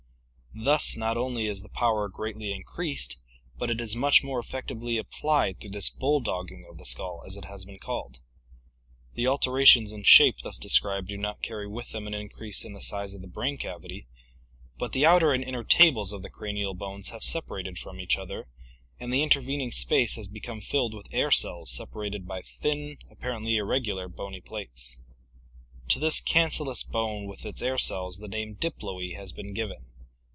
Thus not only is the power greatly increased, but it is much more effectively applied through this "bulldogging" of the skull, as it has been called. The alterations in shape thus described do not carry with them an increase in the size of the brain cavity, but the outer and inner "tables" of the cranial bones have separated from each other and the intervening space has become filled with air cells separated by thin, apparently irregular, bony plates. To this cancellous bone with its air cells the name diploe has been given.